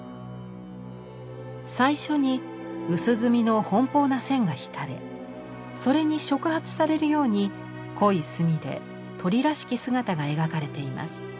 最初に薄墨の奔放な線が引かれそれに触発されるように濃い墨で鳥らしき姿が描かれています。